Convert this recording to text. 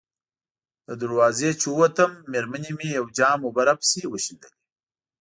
له دروازې چې ووتم، مېرمنې مې یو جام اوبه راپسې وشیندلې.